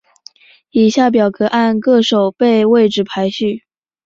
以下表格按各守备位置排序。